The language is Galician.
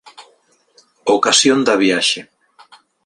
Ocasión da viaxe